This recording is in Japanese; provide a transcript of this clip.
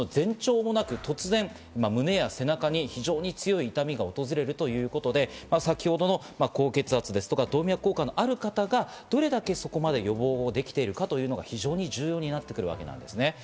前兆もなく突然、胸や背中に非常に強い痛みが訪れるということで、先ほどの高血圧ですとか、動脈硬化のある方がどれだけそこまで予防できているかというのが非常に重要になってくるわけなんですね。